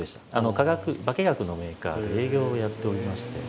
化学化学のメーカーで営業をやっておりまして。